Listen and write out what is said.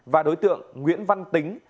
và đối tượng nguyễn văn tính